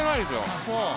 あっ、そう。